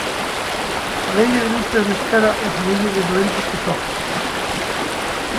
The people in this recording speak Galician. Faleille de listas de espera e faleille de doentes que sofren.